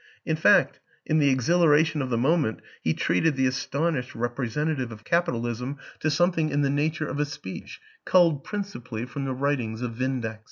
In fact, in the exhilaration of the moment, he treated the astonished representative of capitalism to some WILLIAM AN ENGLISHMAN 17 thing in the nature of a speech culled princi pally from the writings of " Vindex."